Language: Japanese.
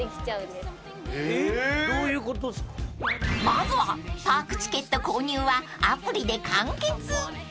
［まずはパークチケット購入はアプリで完結］